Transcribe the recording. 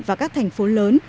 và các thành phố lớn